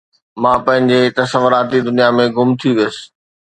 مان پنهنجي تصوراتي دنيا ۾ گم ٿي ويس